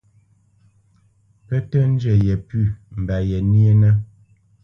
Pə́ tə́ njə yepʉ̂ mba yenyénə́.